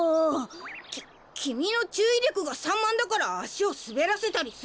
ききみのちゅういりょくがさんまんだからあしをすべらせたりするんですよ。